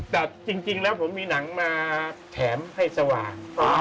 แต่จริงแล้วผมมีหนังมาแถมให้สว่าง